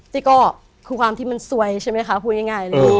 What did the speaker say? นี่ก็คือความที่มันซวยใช่ไหมคะพูดง่ายเลย